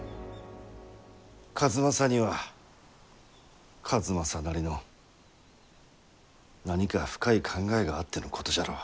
数正には数正なりの何か深い考えがあってのことじゃろう。